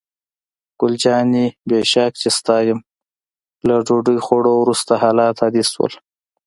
ګل جانې: بې شک چې ستا یم، له ډوډۍ خوړو وروسته حالات عادي شول.